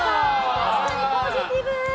確かに、ポジティブ。